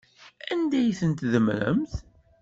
Anda ay ten-tdemmremt?